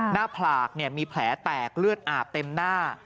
หน้าผากมีแผลแตกเลือดอาบเต็มหน้า